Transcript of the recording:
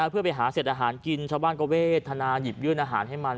เพื่อไปหาเสร็จอาหารกินชาวบ้านก็เวทนาหยิบยื่นอาหารให้มัน